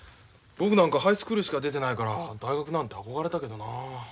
僕なんかハイスクールしか出てないから大学なんて憧れたけどなあ。